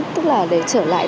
tức là để trở lại